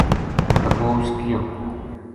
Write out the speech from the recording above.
تپوس کیو